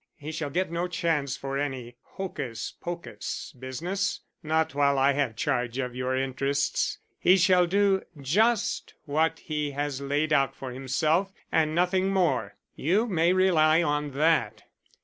He shall get no chance for any hocus pocus business, not while I have charge of your interests. He shall do just what he has laid out for himself and nothing more; you may rely on that."